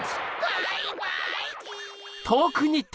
バイバイキン！